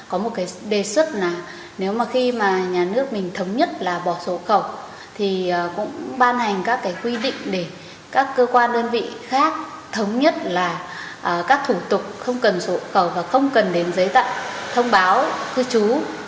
có một cái đề xuất là nếu mà khi mà nhà nước mình thống nhất là bỏ sổ khẩu thì cũng ban hành các cái quy định để các cơ quan đơn vị khác thống nhất là các thủ tục không cần sổ khẩu và không cần đến giấy tặng thông báo cư trú